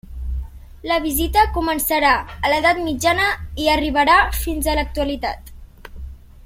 La visita començarà a l'Edat Mitjana i arribarà fins a l'actualitat.